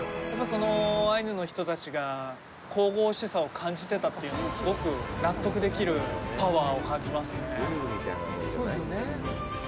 そのアイヌの人たちが神々しさを感じてたというのもすごく納得できるパワーを感じますね。